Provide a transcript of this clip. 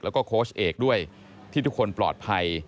แล้วก็โค้ชเอกด้วยที่ทุกคนปลอดภัย